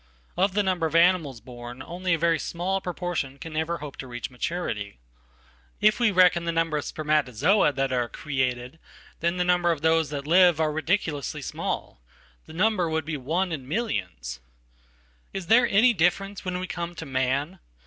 Of the numberof animals born only a very small proportion can ever hope to reachmaturity. If we reckon the number of spermatozoa that are "created"then the number of those that live are ridiculously small. Thenumber would be one in millions. Is there any difference when we come to man?